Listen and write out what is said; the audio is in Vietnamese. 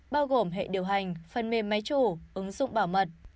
bao gồm hệ điều hành phần mềm máy chủ ứng dụng bảo mật